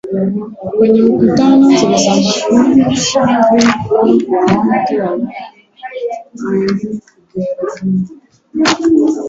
kwenye mkutano zilisababisha vifo vya watu wawili na wengine kujeruhiwa